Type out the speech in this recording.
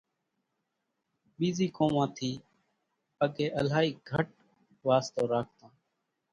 ٻيزِي قومان ٿِي اڳيَ الائِي گھٽ واستو راکتان۔